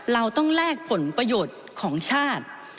เราต้องแลกผลประโยชน์ของชาติ